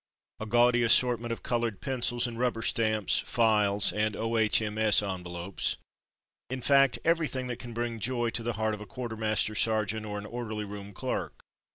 A gaudy assortment of coloured pencils and rubber stamps, files, and O.H.M.S. envelopes; in fact everything that can bring joy to the heart of a quartermaster sergeant or an orderly room clerk.